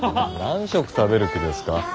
何食食べる気ですか？